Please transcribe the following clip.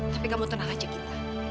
tapi kamu tenang aja kita